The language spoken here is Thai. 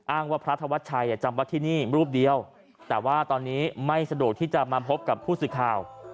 ว่าพระธวัชชัยจำวัดที่นี่รูปเดียวแต่ว่าตอนนี้ไม่สะดวกที่จะมาพบกับผู้สื่อข่าว